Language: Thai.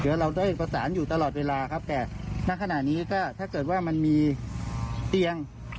เดี๋ยวเราได้ประสานอยู่ตลอดเวลาครับแต่ณขณะนี้ก็ถ้าเกิดว่ามันมีเตียง